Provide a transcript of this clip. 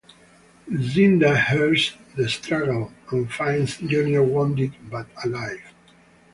Lucinda hears the struggle and finds Junior wounded but alive.